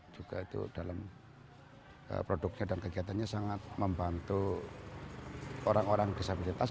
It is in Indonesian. juga itu dalam produknya dan kegiatannya sangat membantu orang orang disabilitas